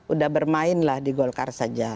udah bermainlah di golkar saja